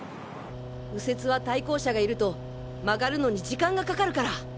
右折は対向車がいると曲がるのに時間がかかるから。